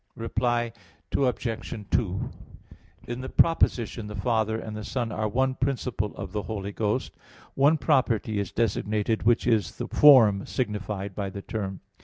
Reply Obj. 2: In the proposition "the Father and the Son are one principle of the Holy Ghost," one property is designated which is the form signified by the term.